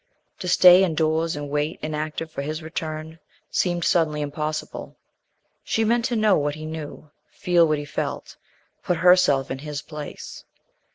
To stay indoors and wait inactive for his return seemed suddenly impossible. She meant to know what he knew, feel what he felt, put herself in his place.